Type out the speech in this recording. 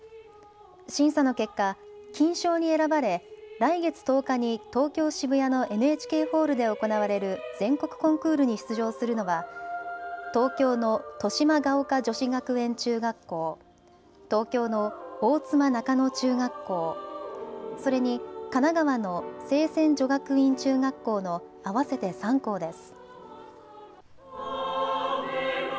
審査の結果、金賞に選ばれ来月１０日に東京渋谷のＮＨＫホールで行われる全国コンクールに出場するのは東京の豊島岡女子学園中学校、東京の大妻中野中学校、それに神奈川の清泉女学院中学校の合わせて３校です。